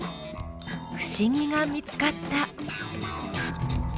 不思議が見つかった。